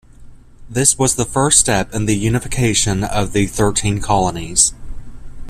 This was the first step in the unification of the thirteen colonies.